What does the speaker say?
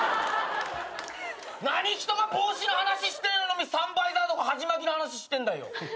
何人が帽子の話してんのにサンバイザーとか鉢巻きの話してんだよ。